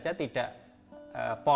yang tidak kalah pentingnya adalah